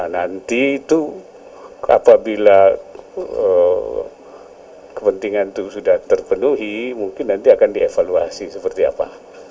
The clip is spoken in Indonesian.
nanti itu apabila kepentingan itu sudah terpenuhi mungkin nanti akan dievaluasi seperti apa